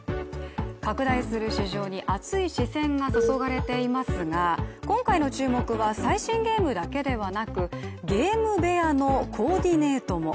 拡大する市場に熱い視線が注がれていますが今回の注目は最新ゲームだけではなくゲーム部屋のコーディネートも。